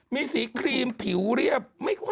มีสีครีมผิวเรียบไม่ค่อยแวว